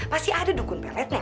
pasti ada dukun pelet nih amu